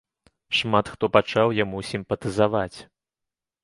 Шмат хто пачаў яму сімпатызаваць.